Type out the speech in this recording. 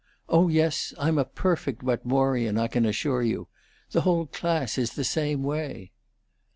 Oh yes, I'm a perfect Wetmorian, I can assure you. The whole class is the same way."